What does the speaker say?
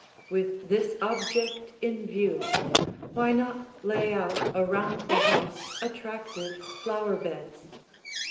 With this object in view, why not lay out around the house attractive flower beds?